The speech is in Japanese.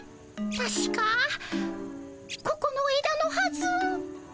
たしかここの枝のはず。